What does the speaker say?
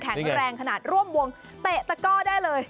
แรงขนาดร่วมวงเตะตะก้อได้เลย